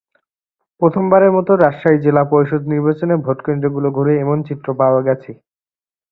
প্রথমবারের মতো রাজশাহী জেলা পরিষদ নির্বাচনে ভোটকেন্দ্রগুলো ঘুরে এমন চিত্র পাওয়া গেছে।